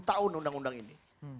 sepuluh tahun undang undang ini